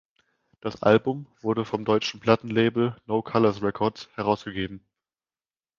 Das Album wurde vom deutschen Plattenlabel No Colours Records herausgegeben.